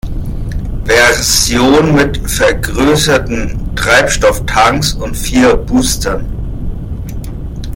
Version mit vergrößerten Treibstofftanks und vier Boostern.